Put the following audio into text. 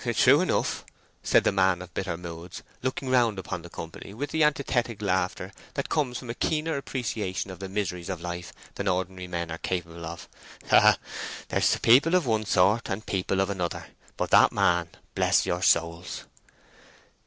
"True enough," said the man of bitter moods, looking round upon the company with the antithetic laughter that comes from a keener appreciation of the miseries of life than ordinary men are capable of. "Ah, there's people of one sort, and people of another, but that man—bless your souls!"